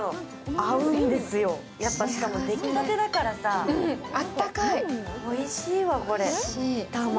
合うんですよ、出来たてだからさ、あったかい、おいしいわ、これ。